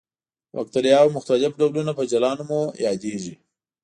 د باکتریاوو مختلف ډولونه په جلا نومونو یادیږي.